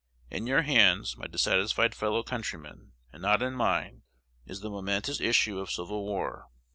In your hands, my dissatisfied fellow countrymen, and not in mine, is the momentous issue of civil war.